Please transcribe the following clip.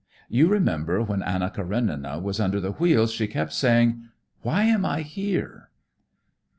You remember when Anna Karenina was under the wheels, she kept saying, 'Why am I here?'"